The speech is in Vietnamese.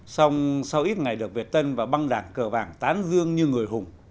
xong sau ít ngày được việt tân và băng đảng cờ vàng tán dương như người hùng